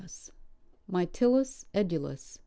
Mytilus edulis, L.